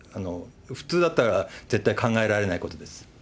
普通だったら絶対考えられないことです。